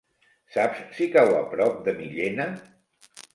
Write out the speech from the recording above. Saps si cau a prop de Millena?